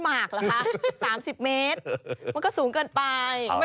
มันก็สูงเกินไป